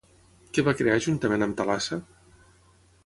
Què va crear juntament amb Thalassa?